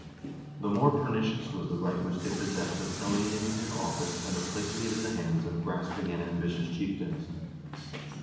The more pernicious was the right which they possessed of alienating their office and of placing it in the hands of grasping and ambitious chieftains.